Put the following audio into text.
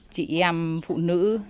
chị em phụ nữ